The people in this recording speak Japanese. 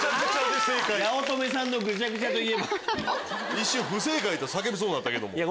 一瞬不正解と叫びそうになったけども。